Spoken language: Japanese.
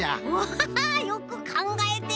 ハハよくかんがえてるね。